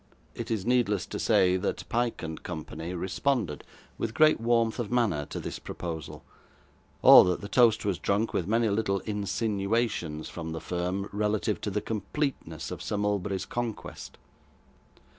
It is needless to say, that Pyke and Co. responded, with great warmth of manner, to this proposal, or that the toast was drunk with many little insinuations from the firm, relative to the completeness of Sir Mulberry's conquest.